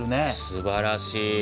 すばらしい。